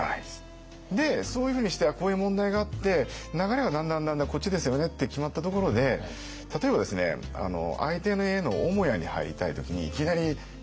そういうふうにしてこういう問題があって流れがだんだんだんだんこっちですよねって決まったところで例えば相手の家の母屋に入りたい時にいきなり入れる人いないじゃないですか。